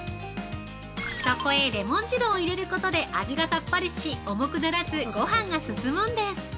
◆そこへレモン汁を入れることで味がさっぱりし重くならず、ごはんが進むんです。